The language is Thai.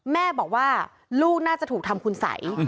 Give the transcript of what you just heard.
แม่บอกว่าลูกน่าจะถูกทำคุณสัย